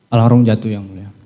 almarhum jatuh yang mulia